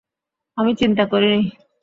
আমি চিন্তা করি নি।